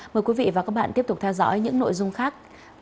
mời quý vị và các bạn tiếp tục theo dõi những nội dung khác